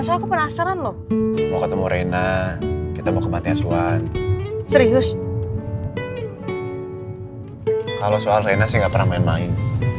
soal penasaran lu mau ketemu reina kita mau ke matiasuan serius kalau soal reina sih gak pernah main main